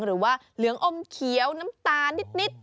หรือว่าเหลืองอมเขียวน้ำตาลนิด